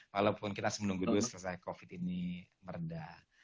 walaupun kita asal menunggu dulu selesai covid ini merendah